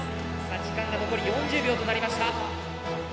時間が残り４０秒となりました。